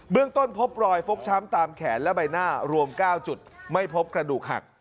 เรื่องต้นพบรอยฟกช้ำตามแขนและใบหน้ารวม๙จุดไม่พบกระดูกหัก